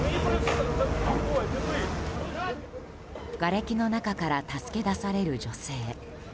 がれきの中から助け出される女性。